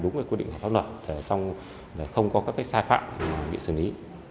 đúng quy định pháp luật không có các cách sai phạm bị xử lý